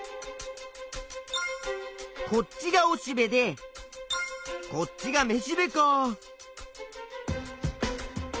こっちがおしべでこっちがめしべか。